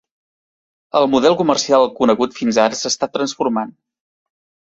El model comercial conegut fins ara s'està transformant.